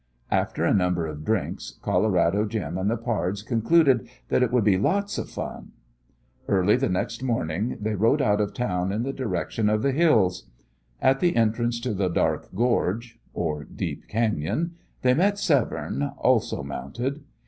After a number of drinks, Colorado Jim and the pards concluded that it would be lots of fun! Early the next morning, they rode out of town in the direction of the hills. At the entrance to the dark gorge or deep cañon they met Severne, also mounted.